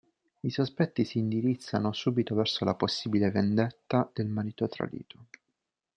I sospetti si indirizzano subito verso la possibile vendetta del marito tradito...